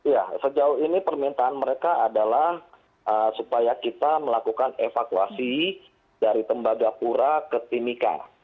ya sejauh ini permintaan mereka adalah supaya kita melakukan evakuasi dari tembagapura ke timika